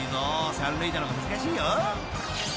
三塁打の方が難しいよ。ＯＫ！］